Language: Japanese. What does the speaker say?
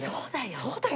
そうだよ。